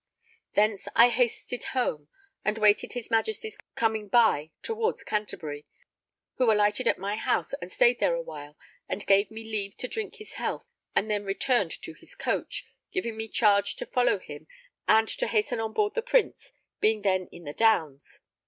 Thence I hasted home, and waited his Majesty's coming by towards Canterbury, who alighted at my house and stayed there awhile and gave me leave to drink his health, and then returned to his coach, giving me charge to follow him and to hasten on board the Prince, being then in the Downs.